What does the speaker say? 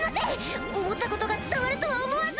思ったことが伝わるとは思わず。